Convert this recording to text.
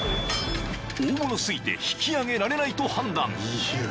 ［大物過ぎて引き揚げられないと判断］